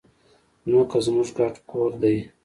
ځمکه زموږ ګډ کور دی.